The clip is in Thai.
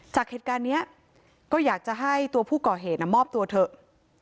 จากเหตุการณ์นี้ก็อยากจะให้ตัวผู้ก่อเหตุมอบตัวเถอะ